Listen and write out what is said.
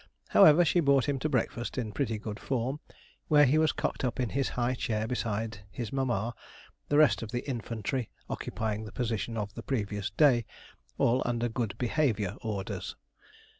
However, she brought him to breakfast in pretty good form, where he was cocked up in his high chair beside his mamma, the rest of the infantry occupying the position of the previous day, all under good behaviour orders.